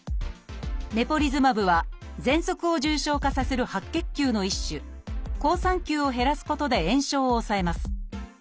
「メポリズマブ」はぜんそくを重症化させる白血球の一種好酸球を減らすことで炎症を抑えます。